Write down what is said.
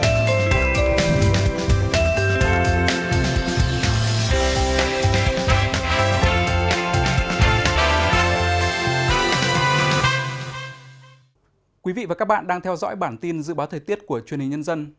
thưa quý vị và các bạn đang theo dõi bản tin dự báo thời tiết của truyền hình nhân dân